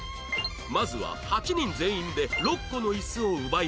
まずは８人全員で６個のイスを奪い合います